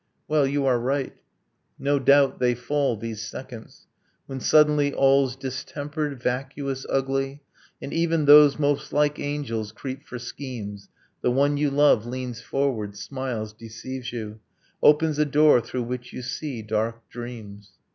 ...' Well, you are right ... No doubt, they fall, these seconds ... When suddenly all's distempered, vacuous, ugly, And even those most like angels creep for schemes. The one you love leans forward, smiles, deceives you, Opens a door through which you see dark dreams.